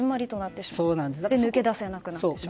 そして抜け出せなくなってしまう。